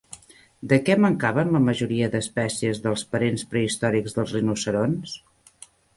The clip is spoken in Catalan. De què mancaven la majoria d'espècies dels parents prehistòrics dels rinoceronts?